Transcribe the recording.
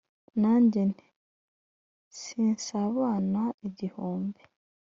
nanjye nti " sinsabana igihumbi,